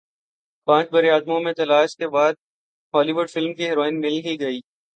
پانچ براعظموں میں تلاش کے بعد ہولی وڈ فلم کی ہیروئن مل گئی